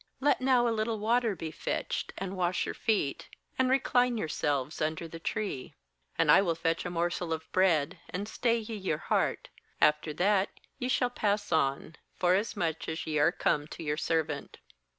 4Let now a little water be fetched, and wash your feet, and recline yourselves under the tree. 5And I will fetch a morsel of bread, and stay ye your heart; after that ye shall pass on; forasmuch as ye are come to your servant.